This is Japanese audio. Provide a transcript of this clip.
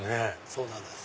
そうなんです。